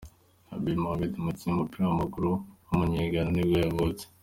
Habib Mohamed, umukinnyi w’umupira w’amaguru w’umunye-Ghana nibwo yavutse.